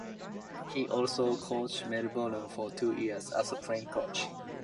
He also coached Melbourne for two years, as a playing coach.